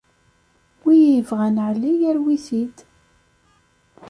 Wi ibɣan Ɛli yarew-it-id.